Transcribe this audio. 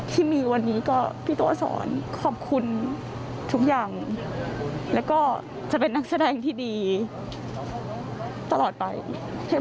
ก็มีรวมหายใจอยู่ใช่ค่ะแล้วก็ละคอร์นที่พี่ตัวยัง